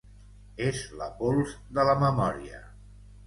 És la pols de la memòria.